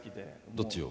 どっちを？